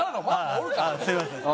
ああすいません。